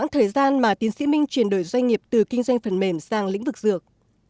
thời gian mà tiến sĩ minh chuyển đổi doanh nghiệp từ kinh doanh phần mềm sang lĩnh vực dược